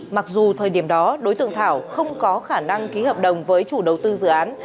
mặc dù thời điểm đó đối tượng thảo không có khả năng ký hợp đồng với chủ đầu tư dự án